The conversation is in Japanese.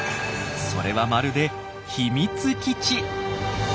それはまるで秘密基地！